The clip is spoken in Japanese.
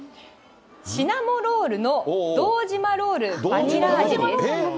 シナモロールの堂島ロールバニラ味。